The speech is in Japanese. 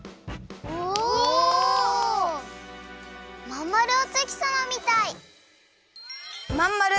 まんまるおつきさまみたい！